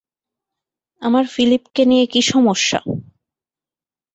আমার ফিলিপকে নিয়ে কি সমস্যা?